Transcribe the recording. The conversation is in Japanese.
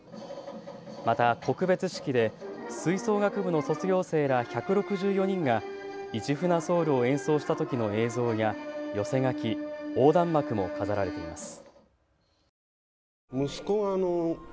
また告別式で吹奏楽部の卒業生ら１６４人が市船ｓｏｕｌを演奏したときの映像や寄せ書き、横断幕も飾られています。